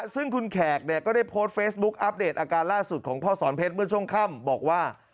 ซึ่งคุณแขกเนี่ยก็ได้โพสต์เฟซบุ๊คอัปเดตอาการล่าสุดของพ่อสอนเพชรเมื่อช่วงค่ำบอกว่า